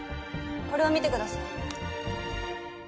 これを見てください